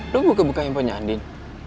lo buka buka handphone nya andien